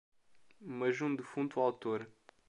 mas um defunto autor